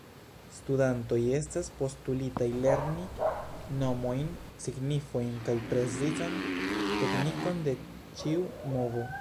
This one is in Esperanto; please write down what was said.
Studantoj estas postulitaj lerni nomojn, signifojn kaj precizan teknikon de ĉiu movo.